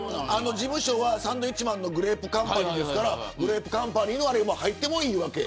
事務所はサンドウィッチマンのグレープカンパニーですからグレープカンパニーが入ってもいいわけ。